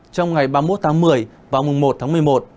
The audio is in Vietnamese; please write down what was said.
trong ngày ba mươi một tháng một mươi và mùng một tháng một mươi một